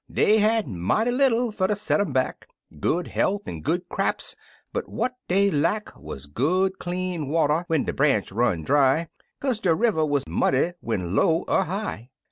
Dey had mighty little fer ter set um back, Good health an' good craps — but what dey lack Wuz good, clean water when de branch run dry, Kaze de river wuz muddy when low er high.